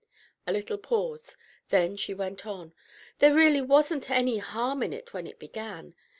A little pause; then she went on: "There really wasn't any harm in it when it began.